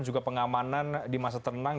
juga pengamanan di masa tenang